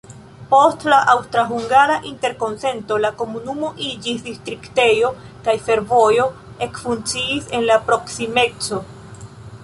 Post la Aŭstra-hungara interkonsento la komunumo iĝis distriktejo kaj fervojo ekfunkciis en la proksimeco.